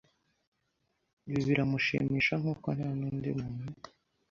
Ibi biramushimisha nk’uko nta n'undi muntu